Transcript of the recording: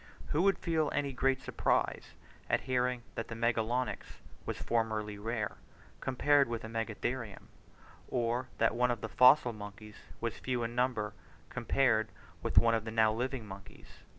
Who would feel any great surprise at hearing that the Magalonyx was formerly rare compared with the Megatherium, or that one of the fossil monkeys was few in number compared with one of the now living monkeys?